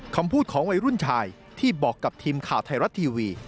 คำพูดของวัยรุ่นชายที่บอกกับทีมข่าวไทยรัฐทีวี